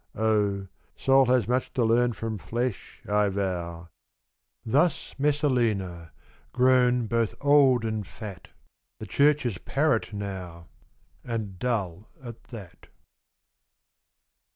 O ! soul has much to learn from flesh, I vow.' Thus Messalina, grown both old and fat, — The Church's parrot now, and dull at that.